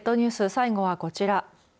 最後はこちら。